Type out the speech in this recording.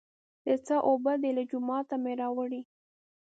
د څاه اوبه دي، له جوماته مې راوړې.